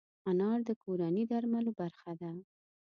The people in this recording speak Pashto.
انار د کورني درملو برخه ده.